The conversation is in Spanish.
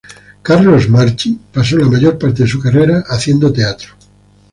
Carlos Marchi pasó la mayor parte de su carrera haciendo teatro.